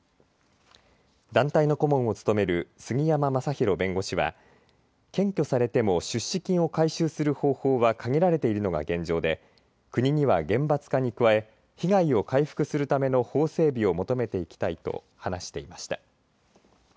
団体の顧問を務める杉山雅浩弁護士は検挙されても出資金を回収する方法は限られているのが現状で国には厳罰化に加え被害を回復するための法整備を求めていきたいと話していました。